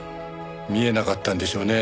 見えなかったんでしょうね。